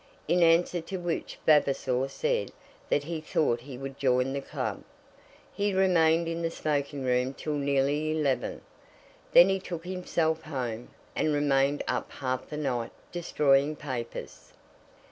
In answer to which Vavasor said that he thought he would join the club. He remained in the smoking room till nearly eleven; then he took himself home, and remained up half the night destroying papers.